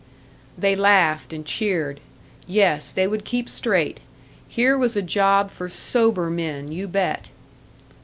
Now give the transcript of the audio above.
They laughed and cheered. Yes, they would keep straight. Here was a job for sober men, you bet!